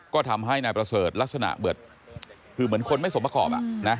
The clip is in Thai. ก็ทำให้นายประเสริฐลักษณะเหมือนคนไม่สมประกอบ